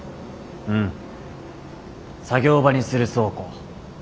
うん作業場にする倉庫。